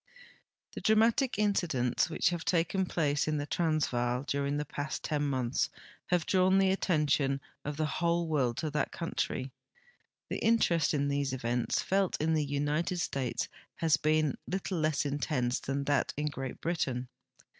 The dramatic incidents which have taken place in the Trans vaal during the past ten months have drawn the attention of the Avhole world to that country. The interest in these events felt in the United States has been little less intense than that in Great Britain.